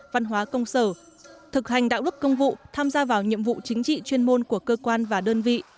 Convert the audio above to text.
văn hóa công sở thực hành đạo đức công vụ tham gia vào nhiệm vụ chính trị chuyên môn của cơ quan và đơn vị